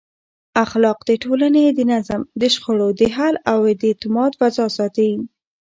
اخلاق د ټولنې د نظم، د شخړو د حل او د اعتماد فضا ساتي.